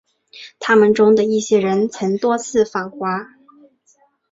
他们中的一些人曾多次访华。